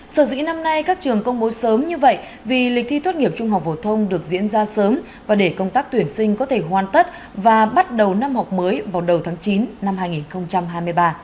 sở dĩ năm nay các trường công bố sớm như vậy vì lịch thi tốt nghiệp trung học phổ thông được diễn ra sớm và để công tác tuyển sinh có thể hoàn tất và bắt đầu năm học mới vào đầu tháng chín năm hai nghìn hai mươi ba